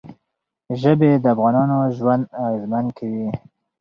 ژبې د افغانانو ژوند اغېزمن کوي.